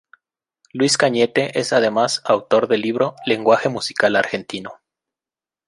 Luis Cañete es además autor del libro "Lenguaje musical argentino".